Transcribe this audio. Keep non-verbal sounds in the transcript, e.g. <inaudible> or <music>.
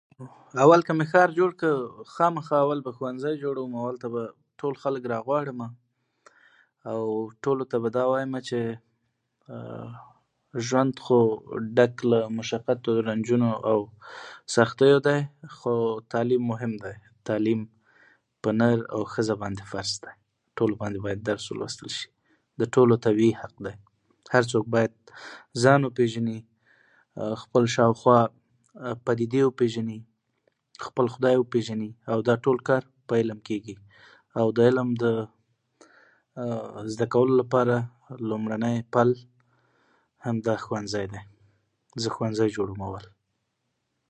اول که مې ښار جوړ کړ، نو خامخا به اول ښوونځي جوړوم، او هلته به ټول خلک راغواړمه، او ټولو ته به <hesitation> ژوند خو ډک له مشقت او رنجونو او سختیو دی، خو تعلیم مهم دی. تعلیم په نر او ښځه باندې فرض دی. په ټولو باندې باید درس ولوستل شي. د ټولو طبیعي حق دی. هر څوک باید ځان وپېژني او خپل شاوخوا پدیدې وپېژني، خپل خدای وپېژني، او دا ټول کار په علم کېږي. او د علم د <hesitation> لومړنی پل همدا ښوونځی دی. زه ښوونځی جوړوم اول.